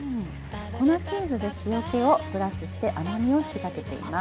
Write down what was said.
粉チーズで塩気をプラスして甘みを引き立てています。